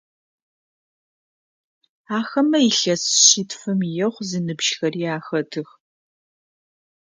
Ахэмэ илъэс шъитфым ехъу зыныбжьыхэри ахэтых.